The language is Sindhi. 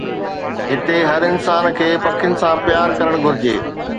هتي هر انسان کي پکين سان پيار ڪرڻ گهرجي.